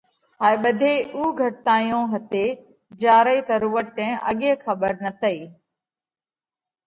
هائي ٻڌي اُو گھٽتايون هتي جيا رئي تروٽ نئہ اڳي کٻر نتئِي۔